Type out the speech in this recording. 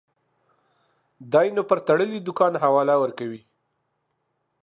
دى نو پر تړلي دوکان حواله ورکوي.